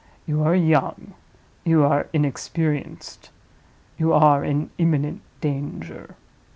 You are young, you are inexperienced, you are in imminent danger.